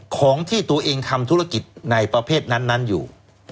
ของที่ตัวเองทำธุรกิจในประเภทนั้นอยู่